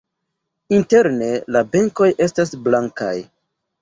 Interne la benkoj estas blankaj.